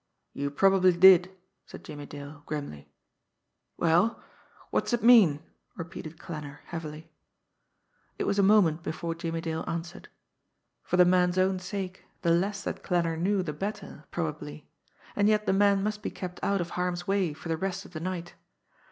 "You probably did," said Jimmie Dale grimly. "Well what's it mean?" repeated Klanner heavily. It was a moment before Jimmie Dale answered. For the man's own sake, the less that Klanner knew the better, probably and yet the man must be kept out of harm's way for the rest of the night.